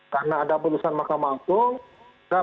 karena ada perusahaan mahkamah agung